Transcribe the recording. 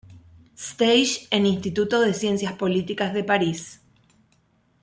Stage en Instituto de Ciencias Políticas de Paris.